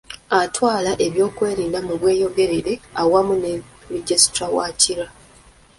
Atwala ebyokwerinda mu Bweyogerere awamu ne Registrar wa Kira.